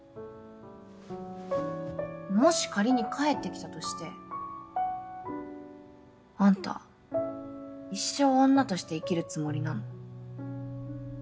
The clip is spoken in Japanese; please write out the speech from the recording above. もし仮に帰ってきたとしてあんた一生女として生きるつもりなの？